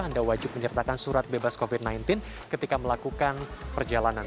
anda wajib menyertakan surat bebas covid sembilan belas ketika melakukan perjalanan